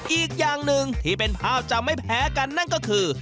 อีกอย่างหนึ่งที่เป็นภาพจำไม่แพ้กันนั่นก็คือ